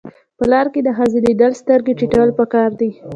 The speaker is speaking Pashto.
په لار کې د ښځې لیدل سترګې ټیټول پکار دي.